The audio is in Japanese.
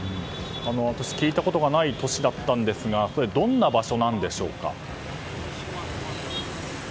私、聞いたことがない都市だったんですがどんな場所なんでしょうか。